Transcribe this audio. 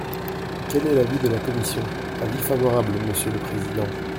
Quel est l’avis de la commission ? Avis favorable, monsieur le président.